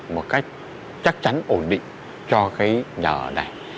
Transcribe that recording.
một cách chắc chắn ổn định cho cái nhà ở này